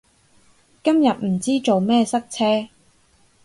今日唔知做咩塞車